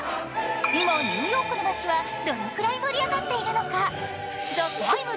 今、ニューヨークの街はどのぐらい盛り上がっているのか「ＴＨＥＴＩＭＥ，」